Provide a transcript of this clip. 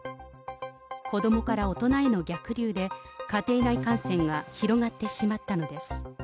子どもから大人への逆流で、家庭内感染が広がってしまったのです。